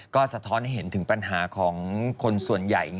ก็สะท้อนให้เห็นถึงปัญหาของคนส่วนใหญ่